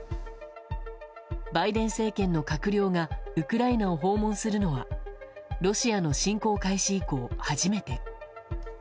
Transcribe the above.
バイデン政権の閣僚がウクライナを訪問するのはロシアの侵攻開始以降、初めて。